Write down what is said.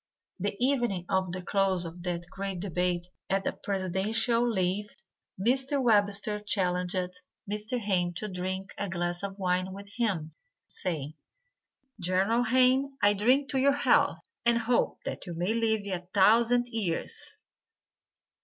The evening of the close of that great debate at a presidential levee, Mr. Webster challenged Mr. Hayne to drink a glass of wine with him, saying, "General Hayne, I drink to your health, and hope that you may live a thousand years."